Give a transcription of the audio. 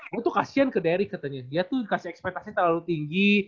gue tuh kasian ke dery katanya dia tuh kasih ekspektasinya terlalu tinggi